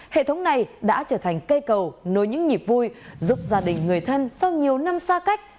hệ thống này đã trở thành cây cầu nối những nhịp vui giúp gia đình người thân sau nhiều năm xa cách